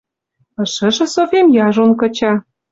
Ышыжы Софим яжон кыча.